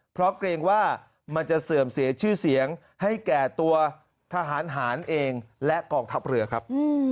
เพราะเกรงว่ามันจะเสื่อมเสียชื่อเสียงให้แก่ตัวทหารหารเองและกองทัพเรือครับ